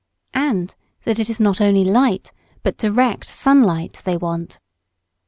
And that it is not only light but direct sun light they want.